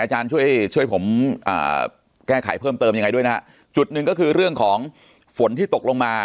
อาจารย์ช่วยช่วยผมแก้ไขเพิ่มเติมยังไงด้วยนะฮะจุดหนึ่งก็คือเรื่องของฝนที่ตกลงมา